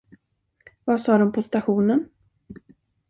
Vad sa de på stationen?